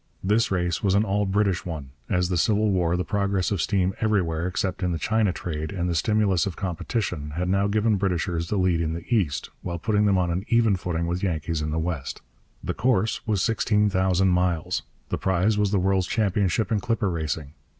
This race was an all British one, as the civil war, the progress of steam everywhere except in the China trade, and the stimulus of competition, had now given Britishers the lead in the East, while putting them on an even footing with Yankees in the West. The course was sixteen thousand miles; the prize was the world's championship in clipper racing.